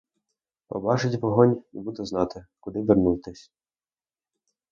Побачить вогонь і буде знати, куди вернутись.